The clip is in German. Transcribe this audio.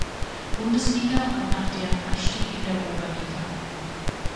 Bundesliga und nach deren Abstieg in der Oberliga.